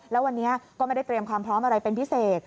แล้ววันนี้ก็ไม่ได้เตรียมความพร้อมอะไรเป็นพิเศษ